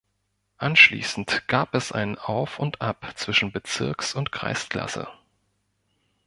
Anschließend gab es ein Auf und Ab zwischen Bezirks- und Kreisklasse.